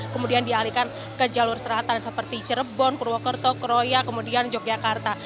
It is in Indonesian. kemudian dialihkan ke jalur selatan seperti cirebon purwokerto kroya kemudian yogyakarta